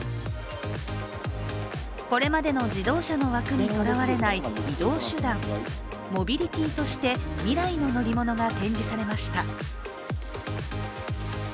これまでの自動車の枠にとらわれない移動手段＝モビリティとして未来の乗り物が展示されました。